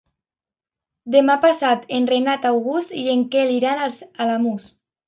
Demà passat en Renat August i en Quel iran als Alamús.